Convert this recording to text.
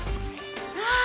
ああ！